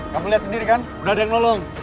kamu lihat sendiri kan udah ada yang nolong